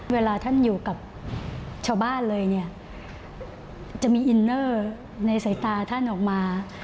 เวลาท่านอยู่กับชาวบ้านเลยเนี่ยจะมีอินเนอร์ในสายตาท่านออกมา